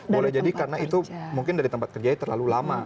boleh jadi karena itu mungkin dari tempat kerjanya terlalu lama